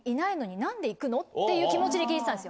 っていう気持ちで聞いてたんですよ。